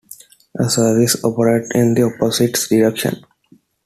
A service operates in the opposite direction.